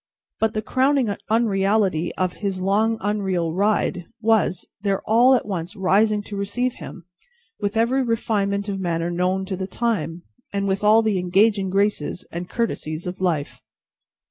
But the crowning unreality of his long unreal ride, was, their all at once rising to receive him, with every refinement of manner known to the time, and with all the engaging graces and courtesies of life.